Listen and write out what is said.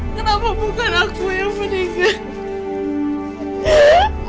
kenapa bukan aku yang meninggal